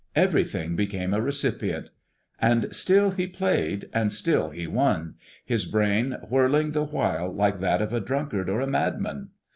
Everything became a recipient. And still he played and still he won, his brain whirling the while like that of a drunkard or a madman.